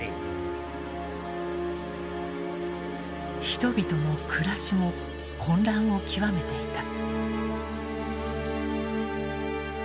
人々の暮らしも混乱を極めていた。